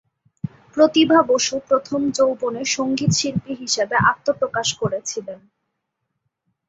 প্রতিভা বসু প্রথম যৌবনে সংগীতশিল্পী হিসেবে আত্মপ্রকাশ করেছিলেন।